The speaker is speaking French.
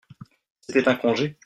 C'était un congé.